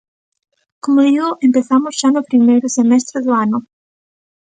Como digo, empezamos xa no primeiro semestre do ano.